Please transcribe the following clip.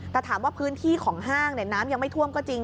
แต่ถามว่าพื้นที่ของห้างน้ำยังไม่ท่วมก็จริง